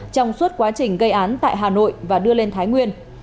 trong suốt quá trình gây án tại hà nội và đưa lên thái nguyên